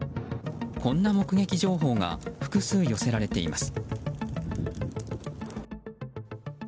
こんな目撃情報が複数寄せられています。